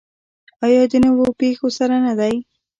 آیا د نویو پیښو سره نه دی؟